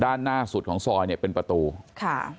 ด้านหน้าสุดของซอยเนี่ยเป็นประตูค่ะ